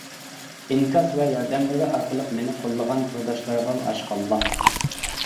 ئىنكاس ۋە ياردەملىرى ئارقىلىق مېنى قوللىغان تورداشلارغا ھەشقاللا!